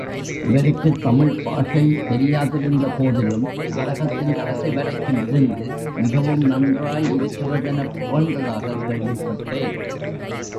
இவருக்குத் தமிழ் பாஷை தெரியாதிருந்த போதிலும், நாடகத்தின் கடைசி வரைக்கும் இருந்து மிகவும் நன்றாய் இருக்கிறதெனப் புகழ்ந்ததாகக் கேள்விப்பட்டேன்.